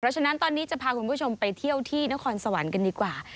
ฉะนั้นตอนนี้จะพาคุณผู้ชมไปเที่ยวที่นครสวรรค์กันดีกว่า